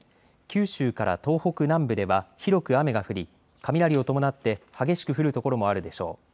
九州から東北南部では広く雨が降り雷を伴って激しく降る所もあるでしょう。